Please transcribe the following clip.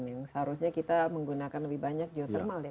yang seharusnya kita menggunakan lebih banyak geothermal ya